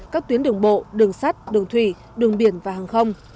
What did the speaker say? các tuyến đường bộ đường sắt đường thủy đường biển và hàng không